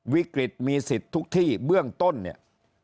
วิกฤตมีสิทธิ์ทุกที่เบื้องต้นเนี่ย